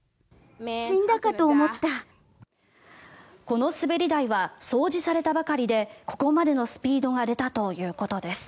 この滑り台は掃除されたばかりでここまでのスピードが出たということです。